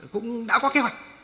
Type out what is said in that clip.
cũng đã có kế hoạch